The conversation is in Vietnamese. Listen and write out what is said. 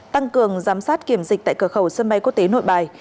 tăng cường giám sát kiểm dịch tại cửa khẩu sân bay quốc tế nội bài